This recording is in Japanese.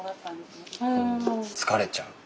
疲れちゃう？